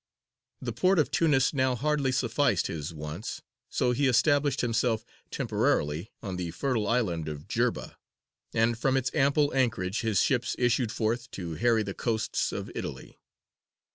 The port of Tunis now hardly sufficed his wants, so he established himself temporarily on the fertile island of Jerba, and from its ample anchorage his ships issued forth to harry the coasts of Italy.